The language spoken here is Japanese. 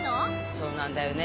そうなんだよね。